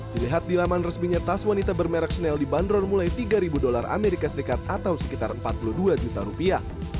dilihat di laman resminya tas wanita bermerek snel dibanderol mulai tiga ribu dolar amerika serikat atau sekitar empat puluh dua juta rupiah